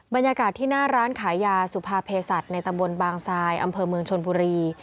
บรรยากาศที่หน้าร้านขายยาสุภาเพศัตริย์ในตำบลบางทรายอำเภอเมืองชนบุรี